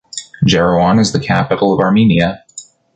Jerewan is the capital of Armenia.